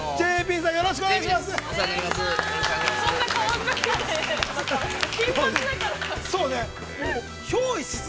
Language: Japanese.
ＪＰさん、よろしくお願いします。